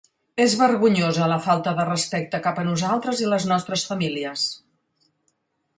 És vergonyosa la falta de respecte cap a nosaltres i les nostres famílies.